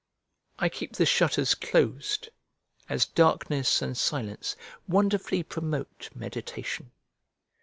I keep the shutters closed, as darkness and silence wonderfully promote meditation.